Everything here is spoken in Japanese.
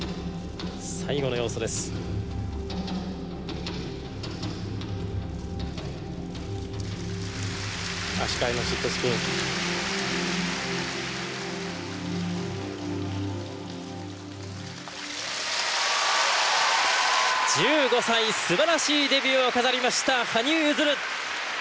１５歳すばらしいデビューを飾りました羽生結弦！